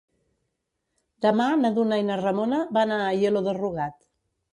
Demà na Duna i na Ramona van a Aielo de Rugat.